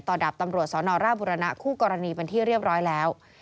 ดาบตำรวจสนร่าบุรณะคู่กรณีเป็นที่เรียบร้อยแล้ว